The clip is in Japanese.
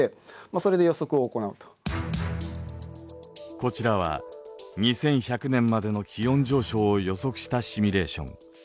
こちらは２１００年までの気温上昇を予測したシミュレーション。